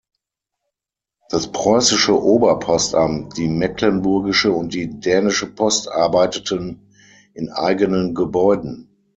Das preußische Ober-Postamt, die mecklenburgische und die dänische Post arbeiteten in eigenen Gebäuden.